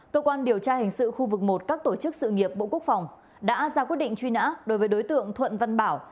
cơ quan điều tra hình sự khu vực một các tổ chức sự nghiệp bộ quốc phòng đã ra quyết định truy nã đối với đối tượng thuận văn bảo